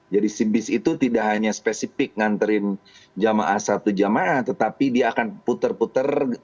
jadi si bis itu tidak hanya spesifik nganterin jemaah satu jemaah tetapi dia akan putar putar